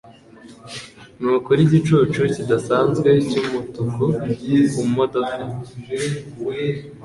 Nukuri igicucu kidasanzwe cyumutuku kumodoka.